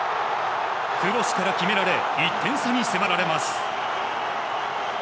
クロスから決められ、１点差に迫られます。